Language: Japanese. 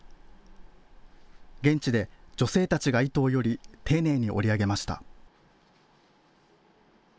現地で女性たちが糸をより、丁寧に織り上げました。